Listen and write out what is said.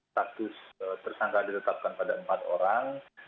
status tersangka ditetapkan pada empat orang